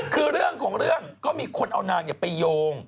คือเรื่องของเรื่องก็มีคนเอานางไปโยง